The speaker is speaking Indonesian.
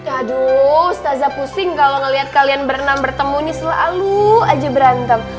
aduh stazza pusing kalau ngeliat kalian berenang bertemu ini selalu aja berantem